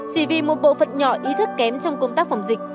chỉ vì một bộ phận nhỏ ý thức kém trong công tác phòng dịch